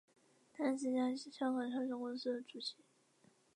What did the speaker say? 他是四家香港上市公司的主席。